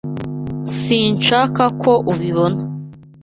Sinshaka ko ubibona.